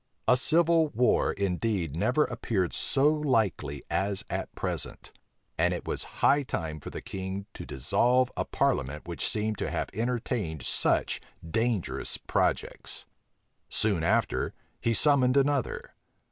A civil war indeed never appeared so likely as at present; and it was high time for the king to dissolve a parliament which seemed to have entertained such dangerous projects. Soon after, he summoned another.